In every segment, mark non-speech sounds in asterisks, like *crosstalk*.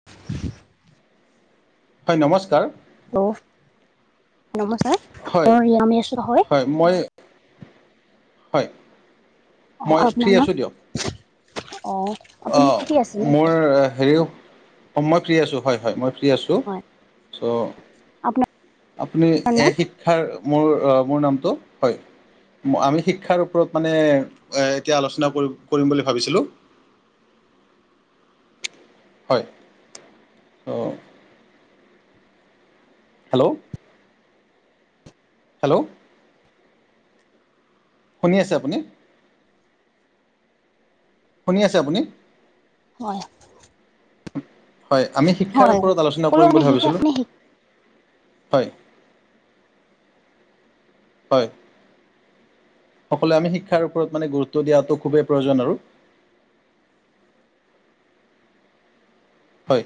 *inaudible* হয় নমস্কাৰ। হেল্ল, নমস্কাৰ। হয় মোৰ ৰিয়ামেশ্বৰ হয় মই হয়। অ মই ফ্ৰী আপোনাৰ নাম। অ। অ আপুনি ঠিকে আছে ন মোৰ এতিয়া হেৰিও। অঁ মই ফ্ৰী আছোঁ। হয় হয় মই ফ্ৰী আছোঁ। হয় চ, আপোনাৰ আপুনি এ নাম শিক্ষাৰ মোৰ মোৰ নামটো হয়। আমি শিক্ষাৰ ওপৰত মানে এতিয়া আলোচনা কৰি কৰিম বুলি ভাবিছিলোঁ। হয়। চ' হেল্ল', হেল্ল', শুনি আছে আপুনি? শুনি আছে আপুনি? হয়। হয়। আমি শিক্ষাৰ হয় হয়। ওপৰত আলোচনা সকলো কৰিম মানে বুলি শিকা ভাবিছিলোঁ। মানে শি হয়। হয়। সকলোৱে আমি শিক্ষাৰ ওপৰত মানে গুৰুত্ব দিয়াটো খুবেই প্ৰয়োজন আৰু হয়।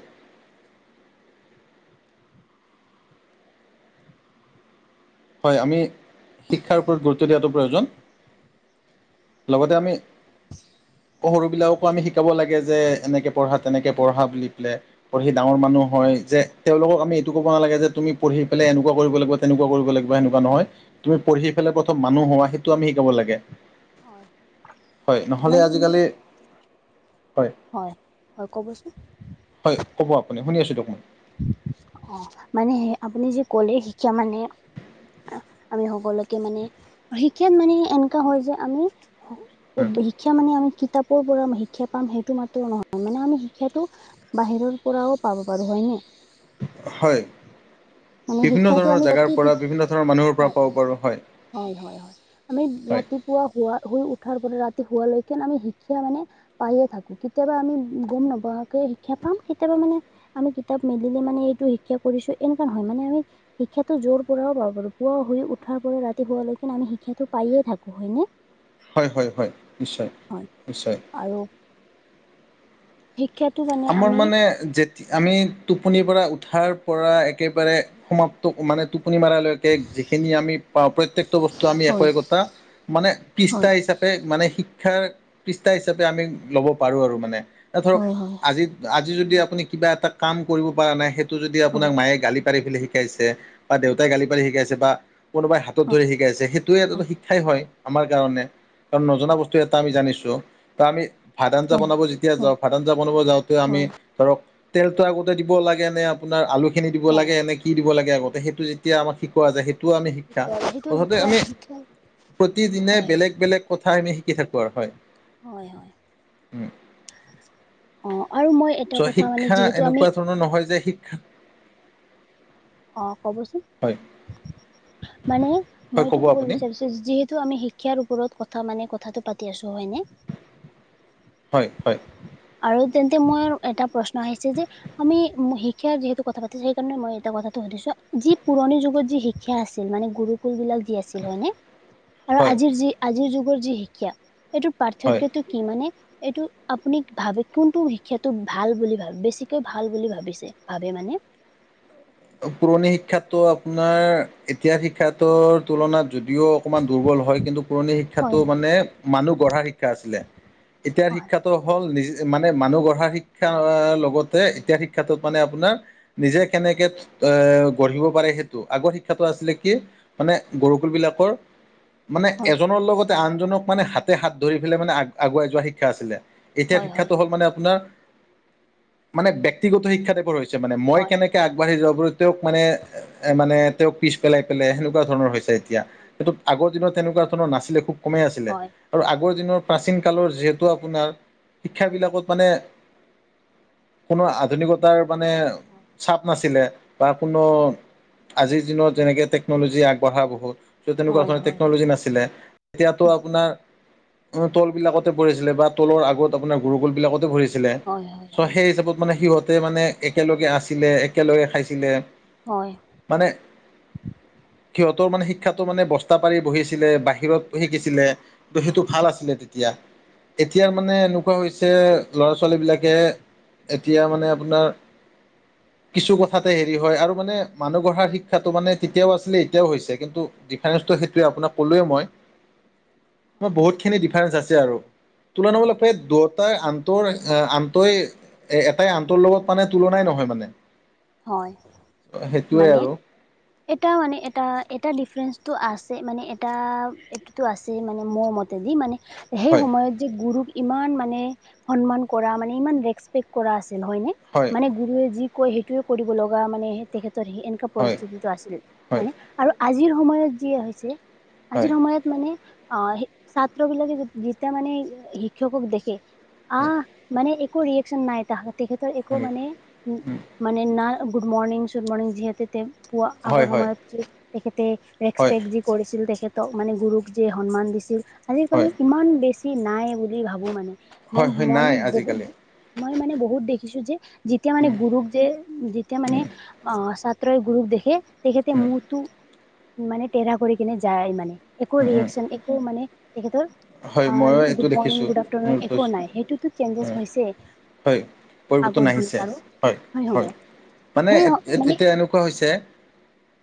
হয় আমি শিক্ষাৰ ওপৰত গুৰুত্ব দিয়াটো প্ৰয়োজন। লগতে আমি। সৰুবিলাককো আমি শিকাব লাগে যে এনেকে পঢ়া তেনেকে পঢ়া বুলি পেলাই। পঢ়ি ডাঙৰ মানুহ হয় যে তেওঁলোকক আমি এইটো ক'ব নালাগে যে তুমি পঢ়ি পেলাই এনেকুৱা কৰিব লাগিব তেনেকুৱা কৰিব লাগিব। সেনেকুৱা নহয়। তুমি পঢ়ি পেলাই প্ৰথম মানুহ হোৱা সেইটো আমি শিকাব লাগে। হয় হয়। নহলে মানে এনে আজিকালি হয়। হয়। হয় ক'বচোন? হয়। ক'ব আপুনি শুনি আছো দিয়ক মই। অ মানে হে আপুনি যে কলে শিক্ষা মানে। আমি সকলোকে মানে শিক্ষা মানে এনেকা হয় যে আমি, শিক্ষা মানে আমি কিতাপৰ পৰা শিক্ষা পাম সেইটো মাত্ৰেও নহয়। ‌ মানে আমি শিক্ষাটো, বাহিৰৰ পৰাও পাব পাৰো হয়নে? হয়। মানে বিভিন্ন শিক্ষাটো ধৰণৰ আমি জেগাৰ প্ৰতি পৰা বিভিন্ন ধৰণৰ মানুহৰ পৰা হয় পাব পাৰু হয়। হয় হয় হয়। আমি হয় ৰাতিপুৱা শুৱা শুই উঠাৰ পৰা ৰাতি শুৱালৈকে আমি শিক্ষা মানে। পায়ে থাকো কেতিয়াবা আমি গম নোপোৱাকে শিক্ষা পাম কেতিয়াবা মানে। আমি কিতাপ মেলিলে মানে এইটো শিক্ষা কৰিছো এনেকুৱা নহয় মানে আমি। শিক্ষাটো যৰ পৰাও পাব পাৰোঁ। পুৱা শুই উঠাৰ পৰা ৰাতি শুৱালৈকে আমি শিক্ষাটো পায়ে থাকো হয়নে। হয় হয় হয় নিশ্চয় হয় নিশ্চয়। আৰু শিক্ষাটো মানে। আমাৰ আমি মানে যেতি আমি টোপনিৰ পৰা উঠাৰ পৰা একেবাৰে। সমাপ্ত মানে টোপনি মাৰালৈকে যিখিনি আমি প্ৰা পইত প্ৰত্যেকটো বস্তু আমি একো হয় একোটা মানে হয় পিষ্ঠা হিচাপে, মানে শিক্ষাৰ পৃষ্ঠা হিচাপে আমি ল'ব পাৰো আৰু মানে ধৰক, হয় হয় আজি আজি যদি আপুনি কিবা এটা কাম কৰিব পাৰা নাই সেইটো যদি হয় আপোনাক মায়ে গালি পাৰি পেলি শিকাইছে বা দেউতাই গালি পাৰি শিকাইছে বা কোনোবাই হাতত হয় ধৰি শিকাইছে সেইটোৱে এটা শিক্ষাই হয়, আমাৰ কাৰণে কাৰণ নজনা বস্তু এটা আমি জানিছো ত আমি, ভাত আঞ্জা হয় বনাব যেতিয়া হয় যাওঁ ভাত আঞ্জা বনাব যাওঁতে আমি হয় ধৰক তেলটো আগতে দিব লাগে নে, আপোনাৰ আলুখিনি দিব হয় লাগে হয় নে, কি দিব লাগে, আগতে সেইটো যেতিয়া আমাৰ শিক পোৱা যায় সেইটোও আমি শিক্ষা। শিকোৱা সেইটো মুঠতে শিকোৱা আমি শিক্ষা প্ৰতিদিনে হয় বেলেগ বেলেগ কথা আমি শিকি থাকো আৰু হয়। হয় হয়। উম। অ আৰু মই এটা চ কথা মানে শিক্ষা যিহেতু আমি এনেকুৱা ধৰণৰ নহয় যে শিক্ষা অ কবচোন। হয় মানে হয় মই এইটো কব আপুনি বিচাৰিছো যিহেতু আমি শিক্ষাৰ ওপৰত কথা মানে কথাটো পাতি আছো হয় নে? হ'য়, হ'য়। আৰু তেন্তে মইৰ এটা প্ৰশ্ন আহিছে যে আমি শিক্ষা যিহেতু কথা পাতিছো সেইকাৰণে মই এটা কথাটো সুধিছো, যি পুৰণি যুগত যি সেয়া আছিল মানে গুৰুকুল বিলাক যি আছিল হয় নে? আৰু হয় আজিৰ যি আজিৰ যুগৰ যি শিক্ষা, এইটোৰ হয় পাৰ্থক্যটো কি মানে এইটো আপুনি ভাবে কোনটো শিক্ষাটো ভাল বুলি ভাবে, বেছিকৈ ভাল বুলি ভাবিছে ভাবে মানে? পুৰণি শিক্ষাতটো আপোনাৰ এতিয়া শিক্ষাৰ তুলনাত যদিও অকমান দুৰ্বল হয় কিন্তু পুৰণি হয় শিক্ষাটো মানে মানুহ গঢ়াৰ শিক্ষা আছিলে, এতিয়াৰ হয় শিক্ষাত হ'ল নিজ মানে মানুহ গঢ়াৰ শিক্ষা লগতে এতিয়া শিক্ষাটোত মানে আপোনাৰ নিজে কেনেকে এ গঢ়িব পাৰে সেইটো। আগৰ শিক্ষাটো আছিলে কি মানে গুৰুকুল বিলাকৰ মানে হয় এজনৰ লগতে আনজনক মানে হাতে- হাত ধৰি পেলাই মানে আগুৱাই যোৱা শিক্ষা আছিলে এতিয়া হয় হয় শিক্ষাটো হ'ল মানে আপোনাৰ মানে ব্যেয়ক্তিগত শিক্ষা দেৱৰ হৈছে মানে, মই হয় হয় হয় কেনেকে আগবাঢ়ি যোৱাব তেওঁক মানে এ মানে তেওঁক পিছ পেলাই, পেলাই সেনেকুৱা ধৰণৰ হৈছে। এতিয়া সেই আগৰ দিনত তেনেকুৱা ধৰণৰ নাছিলে, খুব কমেই আছিলে। হয় আৰু আগৰ দিনৰ প্ৰাচীন কালৰ যিহেতু আপোনাৰ শিক্ষাবিলাকত মানে কোনো আধুনিকতাৰ মানে চাপ নাছিলে বা কোনো আজিৰ দিনত যেনেকে টেকন'লজি আগবঢ়া বহুত, য তেনেকুৱা হয় হয় ধৰণৰ হয় টেকন'লজি নাছিলে, এতিয়াতো আপোনাৰ তল বিলাকতে পঢ়িছিলে বা তলৰ আগত আপোনাৰ গুৰুকোল বিলাকতে পঢ়িছিলে চ হয় হয় হয় সেই হিচাপত মানে সিহঁতে মানে একেলগে আছিলে, একেলগে খাইছিলে, হয়। মানে সিহঁতৰ মানে শিক্ষাটো মানে বস্তা পাৰি বহিছিলে, বাহিৰত শিকিছিলে, ত সেইটো হয় ভাল হয় আছিলে তেতিয়া, এতিয়াৰ মানে হয় এনেকুৱা হৈ হৈছে ছে ল'ৰা -ছোৱালী বিলাকে এতিয়ামানে আপোনাৰ কিছু তাতে হেৰি হয় আৰু মানে মানুহ গঢ়াৰ শিক্ষাটো মানে তেতিয়াও আছিলে, এতিয়াও হৈছে, কিন্তু ডিফাৰেঞ্চসটো সেইটোৱে আপোনাক ক'লোৱে মই। *inaudible* মই হয় বহুত খিনি ডিফাৰেঞ্চ আছে আৰু তুলনামূলক দুটাৰ আন্তৰ এ আনন্তই, এ এটাই আনন্তৰ লগত মানে তুলনাই নহয় মানে। হয় সেইটোৱে মানে আৰু এটা মানে এটা, এটা ডিফাৰেন্ঞ্চটো আছে, মানে এটা এইটোতো আছে মানে মোৰ মতে ইত্যাদি মানে সেই হয় সময়ত যে গুৰুক ইমান মানে সন্মান কৰা, মানে ইমান ৰেচপেক্ট কৰা আছিল হয়নে? হয় মানে গুৰুৱে যি কয় সেইটোৱে কৰিব লগা মানে তেখেতৰ এনেকুৱা হয় পৰিস্থিতি আছিল। হয় হয়নে আৰু আজিৰ সময়ত যি হৈছে, হয় হয় আজিৰ সময়ত মানে অ, ছাত্ৰ বিলাকে যেতিয়া মানে শিক্ষকক দেখে আহ মানে একো ৰিয়েকচন নাই তাহ তেখেতৰ একো মানে। উম মানে না গুড মৰ্ণিং, চুড মৰ্ণিং যিহেতু পুৱা হয় হয় আগৰ সময় তেখেতে হয় হয় ৰেচপেক্ট যি কৰিছিল তেখেতক মানে গুৰুক যি সন্মান দিছিল, আজিকালি হয় ইমান বেছি নাই বুলি ভাবো মানে মই হয় মনে নাই বহুত আজিকালি মই মানে বহুত দেখিছো যে, যেতিয়া মানে গুৰুক যে যেতিয়া মানে অ গুৰুক দেখে, তেখেতে মূৰটো মানে টেৰা কৰি কিনে যায় মানে। একো ৰিয়েকশচন, একো মানে তেখেতৰ হয় ময়ো এইটো গুড মৰ্ণিং, দেখিছোঁ গুড আফটাৰনোন একো নাই সেইটোতো চেঞ্জেছ হৈছে। হয় পৰিৱৰ্তন আগত দিনত আহিছে আৰু। হয় হয় মানে সেই মানে এতিয়া এনেকুৱা হৈছে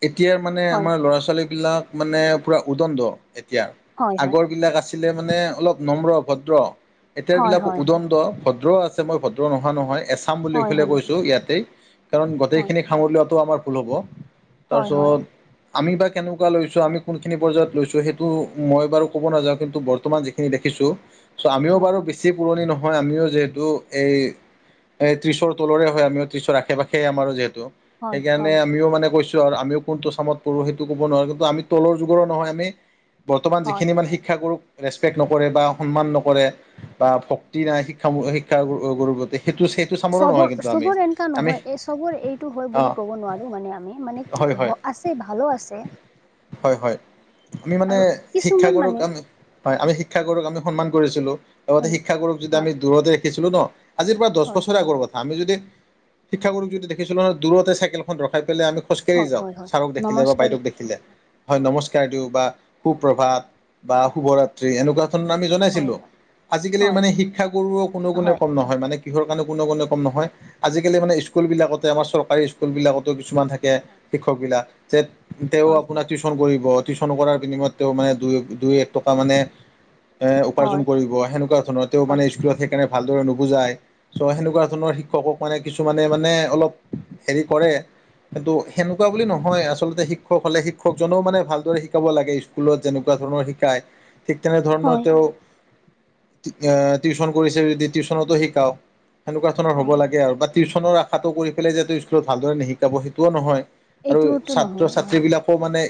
এতিয়াৰ মানে হয় আমাৰ ল'ৰা ছোৱালী বিলাক মানে পুৰা উদণ্ড এতিয়া, হয় হয় আগৰ বিলাক আছ আছিলে মানে অলপ নম্ৰ ভদ্ৰ এতিয়া হয় বিলাক হয় হয় উদণ্ড ভদ্ৰও আছে। মই ভদ্ৰ নোহোৱা নহয় এছাম বুলি হয় কেলে হয় কৈছো ইয়াতেই। কাৰণ হয় গোটেইখিনি সামৰি লোৱাতো আমাৰ ভুল হ'ব। হয় হয় তাৰপিছত আমি বা কেনেকুৱা লৈছো আমি কোনখিনি পৰ্যায়ত লৈছো সেইটো মই বাৰু ক'ব নাযাওঁ। কিন্তু বৰ্তমান যিখিনি দেখিছো চ' আমিও হয় বাৰু বেছি পুৰণি নহয়, আমিও যিহেতু এই এ ত্ৰিশৰ তলৰে হয় আমিও ত্ৰিশৰ আশে-পাশে আমাৰো যিহেতু হয় হয় সেইকাৰণে হয় আমিও মানে কৈছো। আমিও কোনটো চামত পঢো সেইটো ক'ব নোৱাৰো কিন্তু আমি তলৰ যুগৰো নহয় আমি বৰ্তমান হয় যিখিনি শি শিক্ষাগুৰুক ৰেচপেক্ট নকৰে বা সন্মান নকৰে। বা ভক্তি নাই শিক্ষা-শিক্ষা গুৰুৰ গতে সেইটো *unintelligible* নহয় চবৰ কিন্তু আমি চবৰে এনেকা আমি নহয় এই চবৰে এইটো হয় অঁ বুলি ক'ব নোৱাৰো মানে আমি মানে কি হয় হ আছে ভালো আছে। হয়-হয় আমি মানে আৰু কিছুমান শিক্ষাগুৰুক মানে আমি হয় আমি শিক্ষাগুৰুক আমি সন্মান কৰিছিলো লগতে হয় শিক্ষাগুৰুক যদি আমি দূৰতে দেখিছিলো ন, আজিৰ পৰা দহ হয় বছৰে আগৰ কথা, আমি যদি শিক্ষাগুৰুক যদি দেখিছিলো ন দূৰতে চাইকেলখন ৰখাই পেলাই আমি খোজকাঢ়ি হয় যাওঁ হয় হয় ছাৰক দেখিলে বা নমস্কাৰ বাইদেউক দেখিলে হয়, নমস্কাৰ দিওঁ বা হয় সুপ্ৰভাত বা হয় শুভৰাত্ৰি এনেকুৱা ধৰণ আমি হয় জনাইছিলো। হয় আজিকালিৰ হয় মানে শিক্ষাগুৰুও আজি কোনো গুণেই হয় কম নহয় মানে। কিহৰ কাৰণে কোনো কোনে কম নহয়। আজিকালি মানে স্কুল বিলাকতে আমাৰ চৰকাৰী স্কুল বিলাক কিছুমান থাকে হয় শিক্ষক বিলাক যেত তেওঁ হয় আপোনাক টিউশচন কৰিব, টিউশন কৰাৰ বিনিময়ত তেওঁ মানে দুই-দুই এক টকা মানে এ উপাৰ্জন হয় কৰিব সেনেকুৱা ধৰণৰ তেওঁ হয় মানে স্কুলত সেইকাৰণে ভালদৰে নুবুজায়। চ' সেনেকুৱা হয় ধৰণৰ শিক্ষকক মানে কিছুমানে মানে অলপ হেৰি কৰে। কিন্তু অ সেনেকুৱা বুলি নহয় আচলতে শিক শিক্ষক হ'লে শিক্ষকজনেও মানে ভালদৰে শিকাব লাগে স্কুলত যেনেকুৱা ধৰণৰ শিকায়। ঠিক তেনেধৰণৰ হয় তেওঁ টিউচন কৰিছে যদি টিউচনতো শিকাও। সেনেকুৱা ধৰণৰ হব হয় হয় লাগে বা টিউচনৰ আশাটো কৰি পেলাই যেটো স্কুলত ভালদৰে নিশিকাব সেইটোও নহয়। আৰু এইটোতো নহয় অ ছাত্ৰ-ছাত্ৰী বিলাকও মানে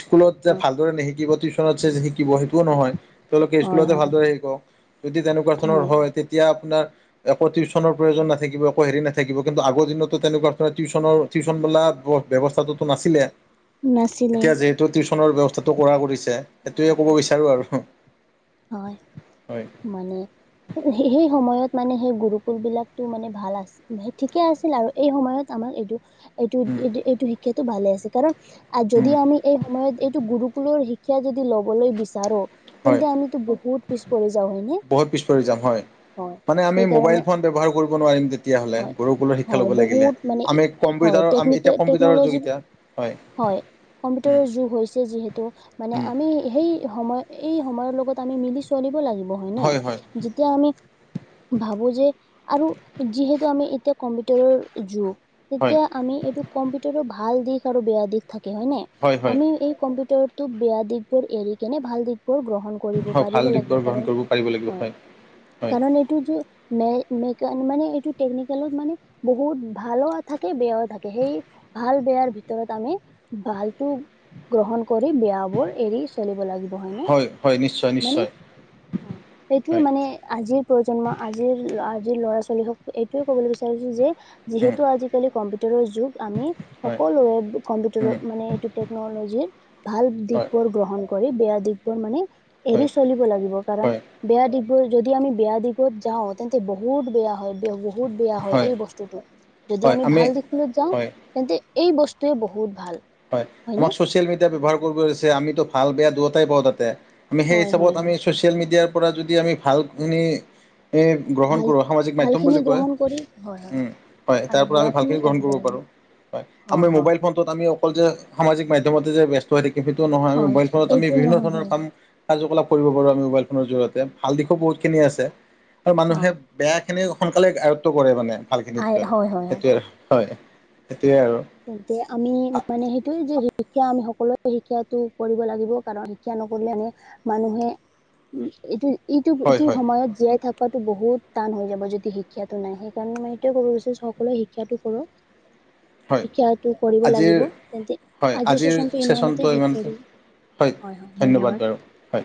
স্কুলত যে হয় ভালদৰে নিশিকিব টিউচনত যে শিকিব সেইটোও নহয়, তেওঁলোকে হয় স্কুলতে হয় ভালদৰে শিকক যদি তেনেকুৱা ধৰণৰ হয় তে তিয়া আপোনাৰ এক টিউচনৰ প্ৰয়োজন নাথাকিব একো হেৰি নাথাকিব কিন্তু আগৰ দিনত তেনেকুৱা ধৰণৰ টিউ টিউচন বোলা ব্যৱস্থাটো নাছিলে। নাছিলে। টো টিউচনৰ ব্যৱস্থাটো কৰা কৰিছে হয় সেইটোয়ে ক'ব হয় বিচাৰো আৰু। হয়, মানে সেই সময়ত মানে সেই গুৰুকুল বিলাকটো মানে ভাল আছি। ঠিকে আছিল আৰু এই সময়ত আমাৰ এইটো এইটো উম, এই এইটো শিক্ষাটো ভালে আছে কাৰণ যদি উম, আমি এই সময়ত এইটো গুৰুকুলৰ শি শিক্ষা যদি ল'বলে বিচাৰো হয় তেন্তে আমি বহুত পিছ পৰি যাওঁ হয়নে। বহুত পিছ পৰি যাম হয়। হয় মানে আমি সেইকাৰণে মোবাইল ফোন ব্যৱহাৰ কৰিব নোৱাৰিম তেতিয়াহ'লে হয় গুৰুকুলৰ শিক্ষা হয় ল'ব লাগিলে? বহুত মানে আমি হয় কম্পিউটাৰৰ আমি টেকনিক এতিয়া কম্পিউটাৰৰ টেকন'লজি যুগিতা হয়। হয় উম, কম্পিউটাৰৰ যুগ হৈছে যিহেতু মানে উম, আমি সেই সময় এই সময়ৰ লগত আমি মিলি চলিব লাগিব হয়নে। হয় হয়। যেতিয়া আমি ভাবোঁ যে আৰু যিহেতু আমি এতিয়া কম্পিউটাৰৰ যুগ। হয় তেতিয়া আমি এইটো কম্পিউটাৰো ভাল দিশ আৰু বেয়া দিশ থাকে হয়নে। হয় হয় আমি এই কম্পিউটাৰত তো বেয়া দিশবোৰ এৰি কেনে ভাল দিশবোৰ গ্ৰহণ কৰিব হয় ভাল পাৰিব লাগব দিশবোৰ গ্ৰহণ কাৰন কৰিব পাৰিব লাগিব হয় হয়। কাৰন টো টো মে মেকান মানে এইটো টেকনিকেলত মানে বহুত ভালও থাকে, বেয়াও থাকে সেই ভাল বেয়াৰ ভিতৰত আমি ভালটো গ্ৰহণ কৰি বিয়াবোৰ এৰি চলিব লাগিব হয়নে? হয় হয় নিশ্চ মানে হয়। এইটোৱে মানে আজিৰ প্ৰজন্ম আজিৰ আজিৰ ল'ৰা - ছোৱালীহক এইটোৱে কবলৈ বিচাৰিছোঁ যে হয় যিহেতু আজিকালি কম্পিউটাৰৰ যুগ, আমি হয় সকলো উম, কম্পিউটাৰ মানে এইটো টেকনলজিৰ ভাল হয় দিশবোৰ গ্ৰহণ কৰি বেয়া দিশবোৰ মানে এৰি হয় চলিব লাগিব কাৰণ হয় বেয়া দিশবোৰ যদি আমি বেয়া দিগত যাওঁ তেন্তে বহুত বেয়া হয় বে হব বহুত বেয়া হয় এই বস্তুটো, যদি আমি ভাল দিশলৈ যাওঁ হয় তেন্তে এই বস্তুৱে বহুত ভাল। হয়, হয়নে? আমাক ছচিয়েল মিডিয়া ব্যৱহাৰ কৰিব দিছে আমিতো ভাল বেয়া দুয়োটাই পাওঁ তাতে। আমি সেই হয় হিচাপত হয় আমি হয় ছ'চিয়েল মিডিয়াৰ পৰা যদি আমি ভালখিনি এ গ্ৰহণ ভাল কৰো সামাজিক ভাল মাধ্যম খিনি বুলি কয় গ্ৰহণ কৰি হয় হয়। উম হয় আৰু তাৰ পৰা বেয়া আমি ভালকে খিনি গ্ৰহণ এৰিব কৰিব লাগিব পাৰো। হয়, আমাৰ মোবাইল ফোনটোত আমি অকল যে সামাজিক মাধ্যমতে যে ব্যস্ত হয় নিকি সেইটো নহয় আমি হয় মোবাইল ফোনত আমি এইটো বিভিন্ন নহয় ধৰণৰ হয় কাম কাৰ্য কলাপ কৰিব পাৰো হয় আমি হয় মোবাইল ফোনৰ জৰিয়তে, ভাল দিশো বহুতখিনি আছে আৰু মানুহে হয় বেয়াখিনি সোনকালে আয়ত্ব কৰে মানে ভাল আই খিনিতকৈ হয় হয় হয় সেইটোৱে হয় সেইটোৱে আৰু। তেন্তে আমি মানে সেইটোয়ে যে শিক্ষা আমি সকলোৱে শিক্ষাটো কৰিব লাগিব কাৰণ শিক্ষা নকৰিলে আমি মানুহে উম এইটো ইটো হয় এইটো হয় সময়ত জীয়াই থা হয়তো বহুত টান হৈ যাব যদি শিক্ষাতো নাই সেইকাৰণেই মই এইটোয়ে ক'ব বিচাৰিছো সকলোৱে শিক্ষাটো কৰক। হয়, শিক্ষাটো কৰিব আজিৰ লাগিব তেন্তে হয় আজিৰ চেচনটো শেষ ইমানতে কৰিম হয় ধন্যবাদ বাৰু। হয়